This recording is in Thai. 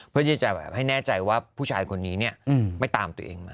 เพื่อที่จะแบบให้แน่ใจว่าผู้ชายคนนี้ไม่ตามตัวเองมา